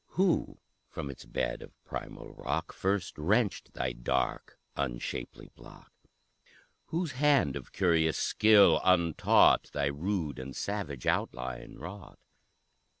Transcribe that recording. Who from its bed of primal rock First wrenched thy dark, unshapely block? Whose hand, of curious skill untaught, Thy rude and savage outline wrought?